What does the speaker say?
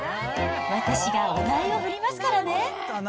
私がお題を振りますからね。